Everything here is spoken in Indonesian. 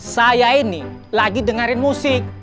saya ini lagi dengerin musik